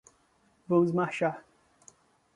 Vamos marchar